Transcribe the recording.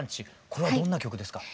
これはどんな曲ですか？